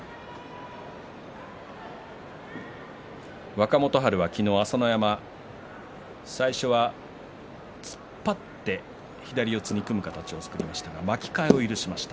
若元春は昨日朝乃山最初は突っ張って左四つに組む形を作りましたが巻き替えを許しました。